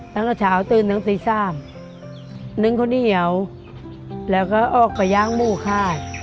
ตั้งแต่เช้าตื่นทั้งตีสามนึ่งข้าวเหนียวแล้วก็ออกไปย่างหมูค่าย